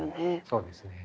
そうですね。